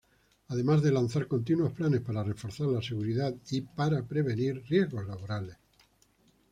Además de lanzar continuos planes para reforzar la seguridad y para prevenir riesgos laborales.